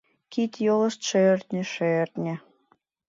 Кид-йолышт — шӧртньӧ, шӧртньӧ...